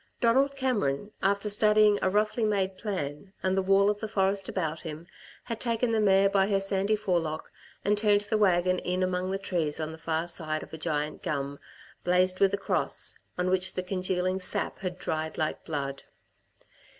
Donald Cameron, after studying a roughly made plan and the wall of the forest about him, had taken the mare by her sandy forelock and turned the wagon in among the trees on the far side of a giant gum, blazed with a cross, on which the congealing sap had dried like blood.